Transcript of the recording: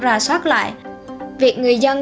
rà soát lại việc người dân